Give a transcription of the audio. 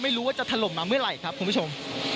ไม่รู้ว่าจะถล่มมาเมื่อไหร่ครับคุณผู้ชม